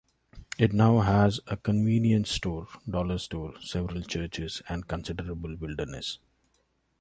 It now has a convenience store, dollar store, several churches, and considerable wilderness.